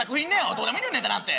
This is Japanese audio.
どうでもいいんだよネタなんて。